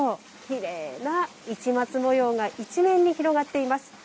きれいな市松模様が一面に広がっています。